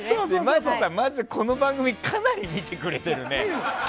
まずこの番組かなり見てくれてるね。